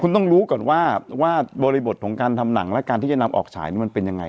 คุณต้องรู้ก่อนว่าบริบทของการทำหนังและการที่จะนำออกฉายนี่มันเป็นยังไง